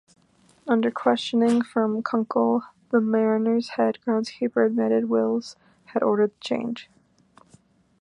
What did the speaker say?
Under questioning from Kunkel, the Mariners' head groundskeeper admitted Wills had ordered the change.